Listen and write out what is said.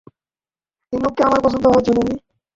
এই লোককে আমার পছন্দ হয়েছে, লেনি।